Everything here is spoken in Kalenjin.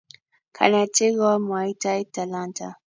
kanetik komwoitai talanta